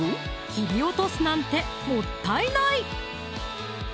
切り落とすなんてもったいない！